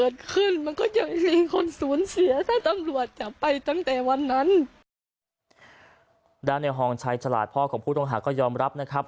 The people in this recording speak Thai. ด้านในฮองชัยฉลาดพ่อของผู้ต้องหาก็ยอมรับนะครับ